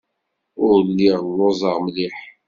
Ur lliɣ lluẓeɣ mliḥ.